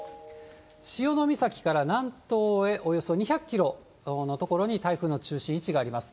潮岬から南東へおよそ２００キロの所に台風の中心位置があります。